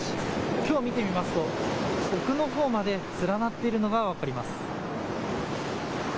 きょう見てみますと奥のほうまで連なっているのが分かります。